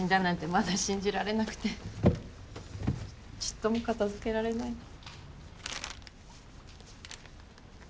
まだ信じられなくてちっとも片付けられないの。